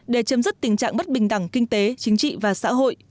để chấm dứt tình trạng bất bình đẳng kinh tế chính trị và xã hội